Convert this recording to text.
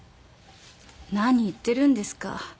何言ってるんですか。